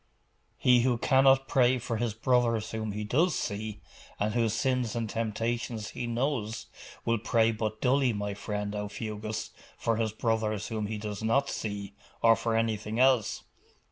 'He who cannot pray for his brothers whom he does see, and whose sins and temptations he knows, will pray but dully, my friend Aufugus, for his brothers whom he does not see, or for anything else.